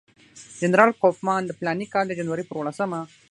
جنرال کوفمان د فلاني کال د جنوري پر اووه لسمه.